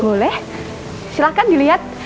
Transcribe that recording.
boleh silahkan dilihat